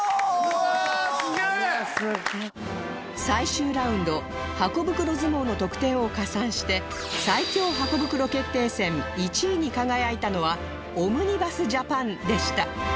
最終ラウンドハコ袋相撲の得点を加算して最強ハコ袋決定戦１位に輝いたのはオムニバス・ジャパンでした